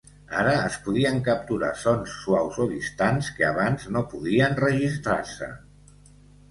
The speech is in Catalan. Ara es podien capturar sons suaus o distants que abans no podien registrar-se.